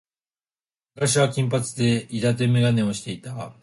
昔は金髪で伊達眼鏡をしていた。